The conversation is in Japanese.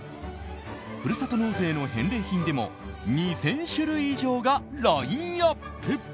ふるさと納税の返礼品でも２０００種類以上がラインアップ。